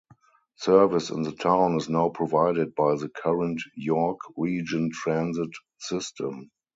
Service in the town is now provided by the current York Region Transit system.